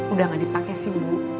udah gak dipakai sih bu